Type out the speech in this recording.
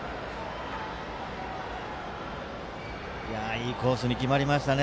いいコースに決まりましたね。